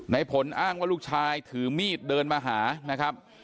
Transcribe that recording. ในผลอ้างว่าลูกชายถือมีดเดินมาหานะครับ